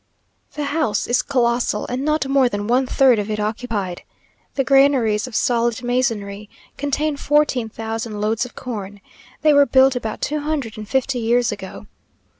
The house is colossal, and not more than one third of it occupied. The granaries, of solid masonry, contain fourteen thousand loads of corn they were built about two hundred and fifty years ago.